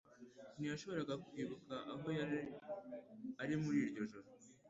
ntiyashoboraga kwibuka aho yari ari muri iryo joro